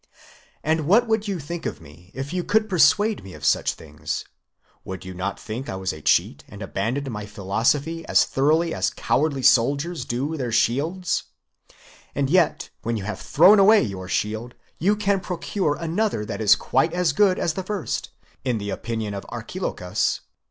© And what would you think of me, if you could persuade me, of such things? Would you not think I was a cheat and abandoned my philosophy as thoroughly as cowardly soldiers do their shields? And yet, when you have thrown away your shield you can procure another that is quite as good as the first, in the opinion of Archilochus.